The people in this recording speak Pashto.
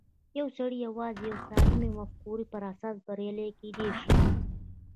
يو سړی يوازې د يوې سالمې مفکورې پر اساس بريالی کېدای شي.